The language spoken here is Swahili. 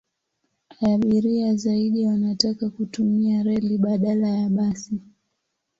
Abiria zaidi wanataka kutumia reli badala ya basi.